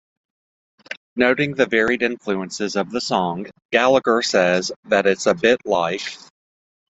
Noting the varied influences of the song, Gallagher says that it's a bit like...